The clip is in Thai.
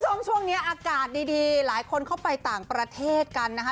ช่วงนี้อากาศดีหลายคนเข้าไปต่างประเทศกันนะคะ